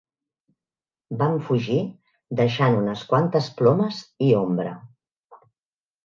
Vam fugir deixant unes quantes plomes i ombra.